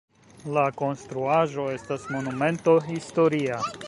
La konstruaĵo estas Monumento historia.